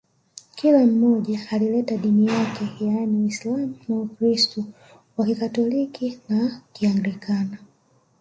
Kila mmoja alileta dini yake yaani Uislamu na Ukristo wa Kikatoliki na wa Kianglikana